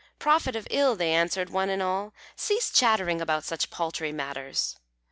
"Prophet of ill," they answered one and all, "Cease chattering about such paltry matters."